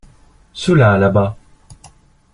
Ceux-là là-bas.